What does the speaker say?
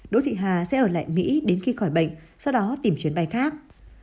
đỗ thị hà sẽ ở lại mỹ đến khi khỏi bệnh sau đó tìm chuyến bay khác